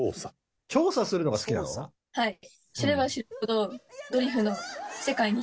はい。